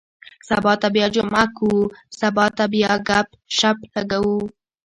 سبا ته بیا جمعه کُو. سبا ته بیا ګپ- شپ لګوو.